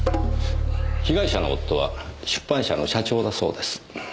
被害者の夫は出版社の社長だそうです。